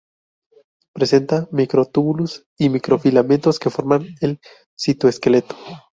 Presenta microtúbulos y microfilamentos que forman el citoesqueleto.